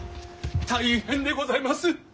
大変でございます！